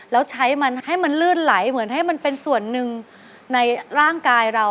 แล้วใช้มันให้มันลื่นไหลเหมือนให้มันเป็นส่วนหนึ่งในร่างกายเรา